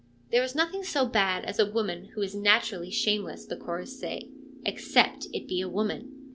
' There is nothing so bad as a woman who is naturally shameless '— the chorus say —' except it be a woman.'